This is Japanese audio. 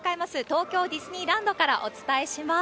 東京ディズニーランドからお伝えします。